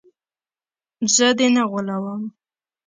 زه دې نه غولوم.